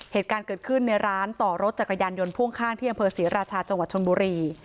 เหตุการณ์เกิดขึ้นในร้านต่อรถจักรยานยนต์พ่วงข้างที่อำเภอศรีราชาจังหวัดชนบุรี